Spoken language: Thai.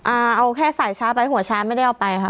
อ่าเอาแค่ใส่ช้างไปหัวช้างไม่ได้เอาไปค่ะ